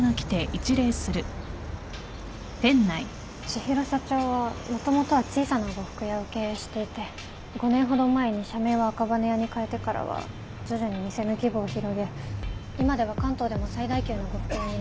・千尋社長はもともとは小さな呉服屋を経営していて５年ほど前に社名を赤羽屋に変えてからは徐々に店の規模を広げ今では関東でも最大級の呉服屋になっています。